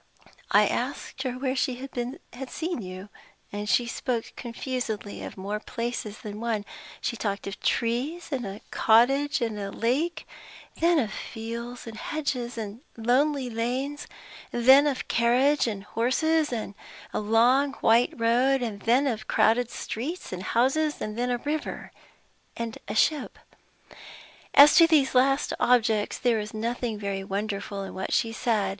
I asked her where she had seen you. She spoke confusedly of more places than one. She talked of trees, and a cottage, and a lake; then of fields and hedges, and lonely lanes; then of a carriage and horses, and a long white road; then of crowded streets and houses, and a river and a ship. As to these last objects, there is nothing very wonderful in what she said.